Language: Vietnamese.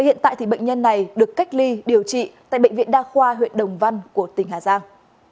hiện tại thì bệnh nhân này được cách ly điều trị tại bệnh viện đa khoa huyện đồng văn của tỉnh hà giang